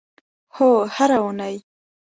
هو، هره اونۍ